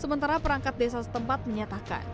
sementara perangkat desa setempat menyatakan